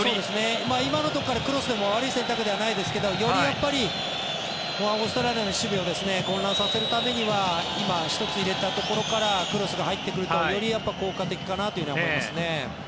今のところからクロスでも悪い選択ではないですけどよりオーストラリアの守備を混乱させるためには今、１つ入れたところからクロスが入ってくるとより効果的かなとは思いますね。